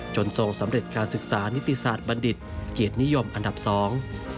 ทรงสำเร็จการศึกษานิติศาสตร์บัณฑิตเกียรตินิยมอันดับสอง